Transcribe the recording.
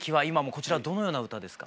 こちらはどのような歌ですか？